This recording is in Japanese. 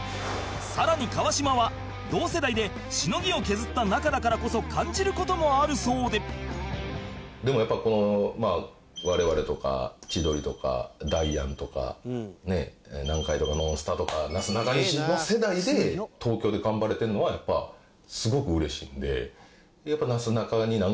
さらに川島は同世代でしのぎを削った仲だからこそ感じる事もあるそうででもやっぱこのまあ我々とか千鳥とかダイアンとか南海とかノンスタとかなすなかにしの世代で東京で頑張れてるのはやっぱすごく嬉しいんで。